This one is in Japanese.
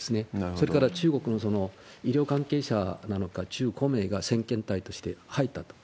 それから、中国の医療関係者なのか、１５名が先遣隊として入ったと。